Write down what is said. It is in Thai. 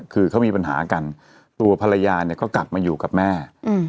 คือเขามีปัญหากันตัวภรรยาเนี่ยก็กลับมาอยู่กับแม่